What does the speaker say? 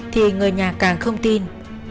thì người nhà càng không tin